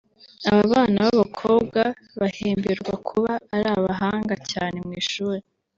Aba bana b’abakobwa bahemberwa kuba ari abahanga cyane mu ishuri